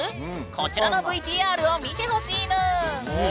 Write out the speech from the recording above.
こちらのＶＴＲを見てほしいぬん。